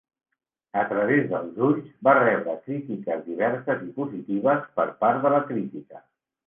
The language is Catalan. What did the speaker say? "A través dels ulls" va rebre crítiques diverses i positives per part de la crítica.